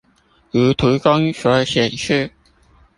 如圖中所顯示